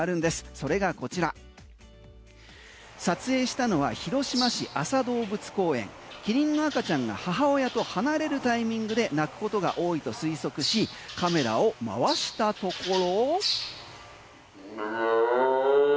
それがこちら、撮影したのは広島市安佐動物公園キリンの赤ちゃんが母親と離れるタイミングで鳴くことが多いと推測しカメラを回したところ。